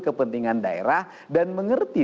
kepentingan daerah dan mengerti